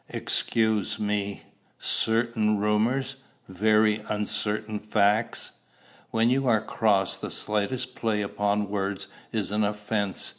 "Excuse me certain rumors very uncertain facts." When you are cross, the slightest play upon words is an offence.